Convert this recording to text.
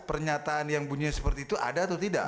pernyataan yang bunyi seperti itu ada atau tidak